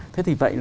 thế thì vậy